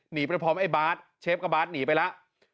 หนีไปพร้อมไอ้บาทเชฟกับบาร์ดหนีไปแล้ว